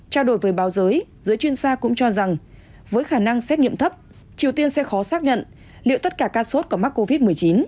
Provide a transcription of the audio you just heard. trao đổi với báo giới chuyên gia cũng cho rằng với khả năng xét nghiệm thấp triều tiên sẽ khó xác nhận liệu tất cả ca sốt có mắc covid một mươi chín